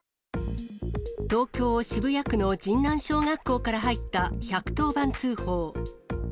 東京・渋谷区の神南小学校から入った１１０番通報。